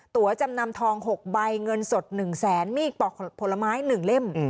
ตัวจำนำทอง๖ใบเงินสด๑แสนมีดปอกผลไม้๑เล่ม